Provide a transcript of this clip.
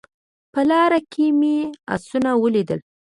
په لاره کې مې اسونه ولیدل